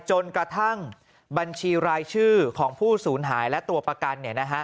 จนกระทั่งบัญชีรายชื่อของผู้สูญหายและตัวประกัน